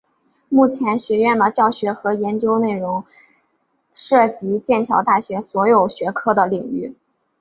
目前学院的教学和研究内容涉及剑桥大学所有学科的领域。